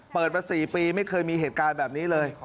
เปิดมา๔ปีไม่เคยมีเหตุการณ์แบบนี้เลย